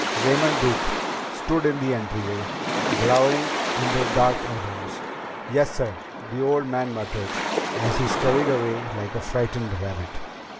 Raymond Duke stood in the entryway, glowering under dark eyebrows. "Yes, sir," the old man muttered, and he scurried away like a frightened rabbit.